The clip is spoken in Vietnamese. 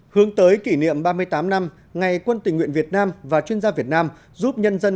hướng tới kỷ niệm ba mươi tám năm ngày quân tình nguyện việt nam và chuyên gia việt nam giúp nhân dân